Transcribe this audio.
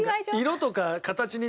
色とか形！？